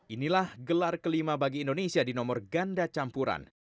inilah gelar kelima bagi indonesia di nomor ganda campuran